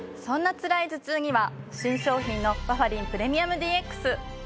そんなつらい頭痛には新商品のバファリンプレミアムＤＸ！